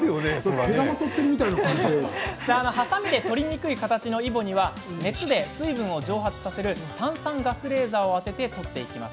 はさみで取りにくい形のイボには熱で水分を蒸発させる炭酸ガスレーザーを当てて取っていきます。